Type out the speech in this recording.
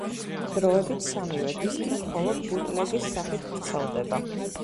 დროებით სამივე დისკი მხოლოდ ბუტლეგის სახით ვრცელდება.